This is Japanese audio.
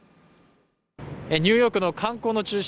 ニューヨークの観光の中心